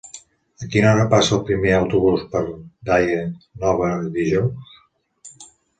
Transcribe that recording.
A quina hora passa el primer autobús per Daia Nova dijous?